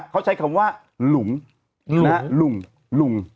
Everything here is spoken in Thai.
เขาใช้คำว่าหลุมหลุมหลุม